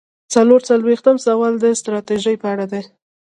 څلور څلویښتم سوال د ستراتیژۍ په اړه دی.